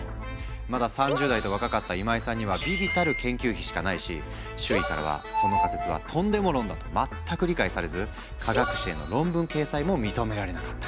まだ３０代と若かった今井さんには微々たる研究費しかないし周囲からはその仮説はトンデモ論だと全く理解されず科学誌への論文掲載も認められなかった。